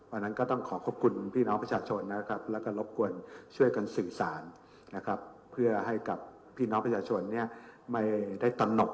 วันนั้นก็ต้องขอขอบคุณพี่น้องประชาชนและรบกวนช่วยกันสื่อสารเพื่อให้กับพี่น้องประชาชนไม่ได้ต่อนก